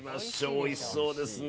おいしそうですね。